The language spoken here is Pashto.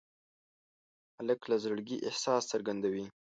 هلک له زړګي احساس څرګندوي.